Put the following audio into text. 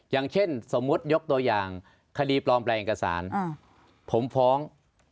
อย่างเช่นสมมุติยกตัวอย่างคดีปลอมแปลงเอกสารผมฟ้อง